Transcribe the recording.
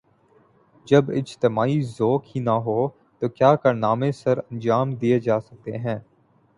جب اجتماعی ذوق ہی نہ ہو تو کیا کارنامے سرانجام دئیے جا سکتے ہیں۔